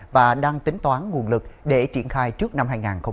và đang tính toán nguồn lực để triển khai trước năm hai nghìn hai mươi